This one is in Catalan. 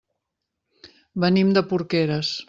Venim de Porqueres.